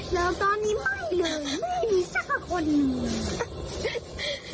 แล้วตอนนี้ไม่เลยไม่มีชาติของหนู